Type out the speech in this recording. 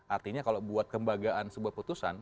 artinya kalau buat kembagaan sebuah putusan